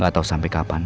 gak tau sampai kapan